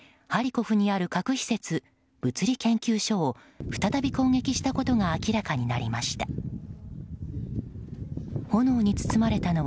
ハリコフにある核施設、物理研究所を再び攻撃したことが明らかになりました。